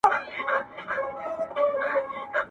خلاصه خوله کي دوه غاښونه ځلېدلي٫